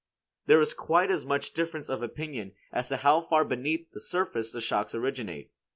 There is quite as much difference of opinion as to how far beneath the surface the shocks originate.